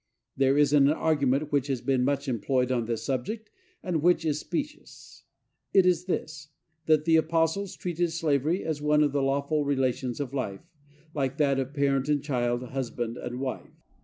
There is an argument which has been much employed on this subject, and which is specious. It is this. That the apostles treated slavery as one of the lawful relations of life, like that of parent and child, husband and wife.